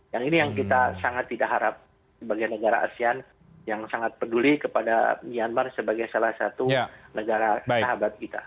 yang ini yang kita sangat tidak harap sebagai negara asean yang sangat peduli kepada myanmar sebagai salah satu negara sahabat kita